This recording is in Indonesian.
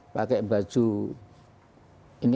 pakai baju ini